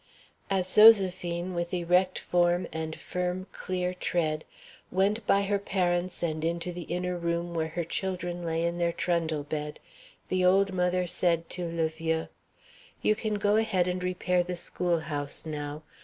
As Zoséphine, with erect form and firm, clear tread, went by her parents and into the inner room where her children lay in their trundle bed, the old mother said to le vieux, "You can go ahead and repair the schoolhouse now.